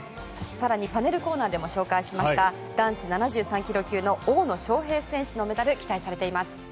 更にパネルコーナーでも紹介しました男子７３ｋｇ級の大野将平選手のメダルが期待されています。